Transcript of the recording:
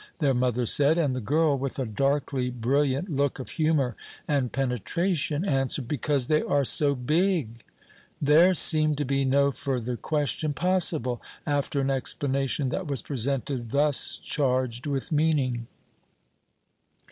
their mother said; and the girl, with a darkly brilliant look of humour and penetration, answered, "because they are so big." There seemed to be no further question possible after an explanation that was presented thus charged with meaning.